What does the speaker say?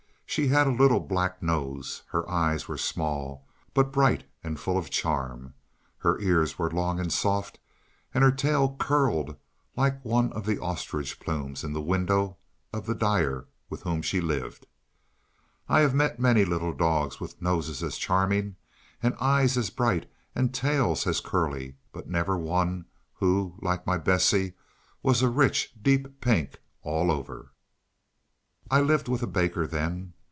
She had a little black nose. Her eyes were small, but bright and full of charm. Her ears were long and soft, and her tail curled like one of the ostrich plumes in the window of the dyer with whom she lived. I have met many little dogs with noses as charming, and eyes as bright, and tails as curly; but never one who, like my Bessie, was a rich, deep pink all over. I lived with a baker then.